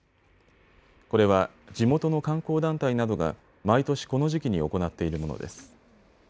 これは地元の観光団体などが毎年この時期に行っているものです。